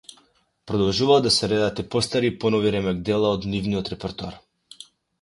Продолжуваат да се редат и постари и понови ремек дела од нивниот репертоар.